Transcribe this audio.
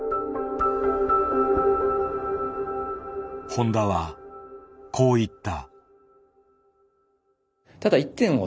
誉田はこう言った。